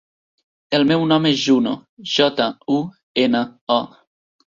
El meu nom és Juno: jota, u, ena, o.